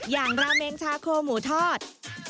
อย่างราเมงชาโครหมูทอด